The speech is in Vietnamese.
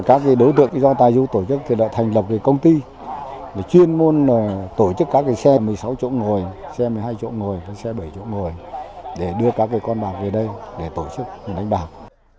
các đối tượng do tài du tổ chức thì đã thành lập công ty chuyên môn tổ chức các xe một mươi sáu chỗ ngồi xe một mươi hai chỗ ngồi trên xe bảy chỗ ngồi để đưa các con bạc về đây để tổ chức đánh bạc